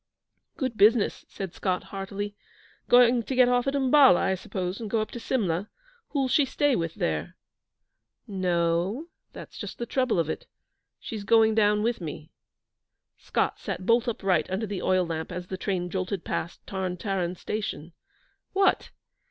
'Good business,' said Scott, heartily. 'Going to get off at Umballa, I suppose, and go up to Simla. Who'll she stay with there?' 'No o; that's just the trouble of it. She's going down with me.' Scott sat bolt upright under the oil lamp as the train jolted past Tarn Taran station. 'What!